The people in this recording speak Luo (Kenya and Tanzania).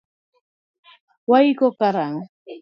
Waiko karango